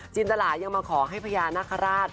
จินตะลายังมาขอให้พระยานคราช